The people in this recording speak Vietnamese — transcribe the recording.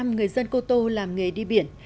bảy mươi người dân cô tô làm nghề đi biển